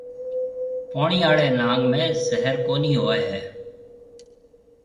پوڻِي آݪي ناگ ۾ زهر ڪونِي هوئي هيَ۔